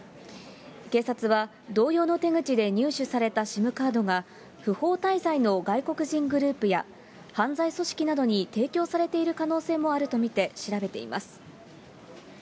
警察は、同様の手口で入手されたＳＩＭカードが、不法滞在の外国人グループや、犯罪組織などに提供されている可能性もあると見て調べています。